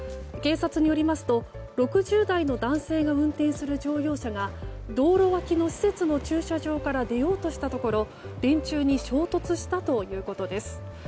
警察によりますと６０代の男性が運転する乗用車が道路脇の施設の駐車場から出ようとしたところ電柱に衝突したということです。